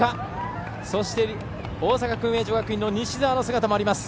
そして、大阪薫英女学院の西澤の姿もあります。